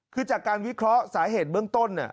คือจากการวิเคราะห์สาเหตุเบื้องต้น